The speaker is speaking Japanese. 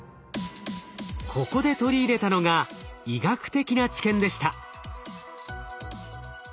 ここで取り入れたのが医学的な知見でした。